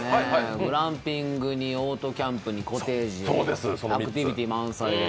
グランピングにオートキャンプにアクティビティー満載でね。